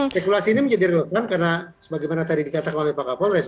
spekulasi ini menjadi relevan karena sebagaimana tadi dikatakan oleh pak kapolres